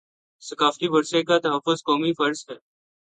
ثقافتی ورثے کا تحفظ قومی فرض ہے